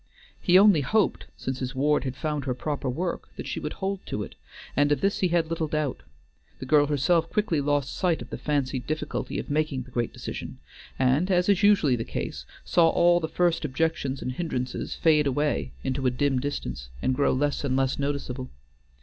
He only hoped, since his ward had found her proper work, that she would hold to it, and of this he had little doubt. The girl herself quickly lost sight of the fancied difficulty of making the great decision, and, as is usually the case, saw all the first objections and hindrances fade away into a dim distance, and grow less and less noticeable.